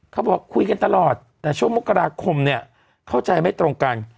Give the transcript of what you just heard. เขาบอกคุยกันตลอดแต่ช่วงมกราคมเนี่ยเข้าใจไม่ตรงกัน